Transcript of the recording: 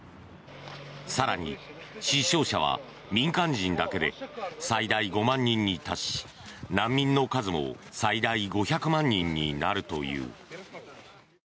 更に、死傷者は民間人だけで最大５万人に達し難民の数も最大５００万人になるという。